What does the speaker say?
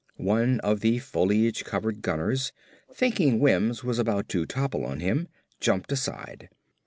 One of the foliage covered gunners, thinking Wims was about to topple on him, jumped aside.